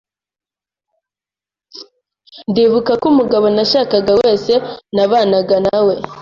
ndibuka ko umugabo nashakaga wese nabanaga na we